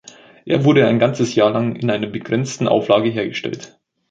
Er wurde ein ganzes Jahr lang in einer begrenzten Auflage hergestellt.